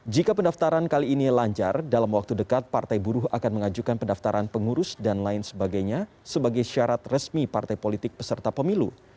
jika pendaftaran kali ini lancar dalam waktu dekat partai buruh akan mengajukan pendaftaran pengurus dan lain sebagainya sebagai syarat resmi partai politik peserta pemilu